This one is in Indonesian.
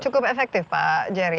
cukup efektif pak jerry